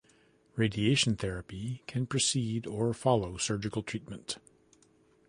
Radiation therapy can precede or follow surgical treatment.